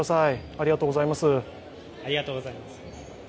ありがとうございます。